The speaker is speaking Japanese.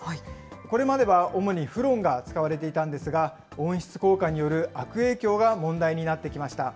これまでは主にフロンが使われていたんですが、温室効果による悪影響が問題になってきました。